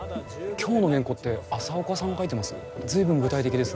今日の原稿って朝岡さん書いてます？